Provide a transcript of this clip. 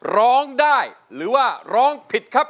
ร้องได้หรือว่าร้องผิดครับ